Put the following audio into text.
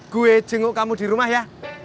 gue jenguk kamu di rumah ya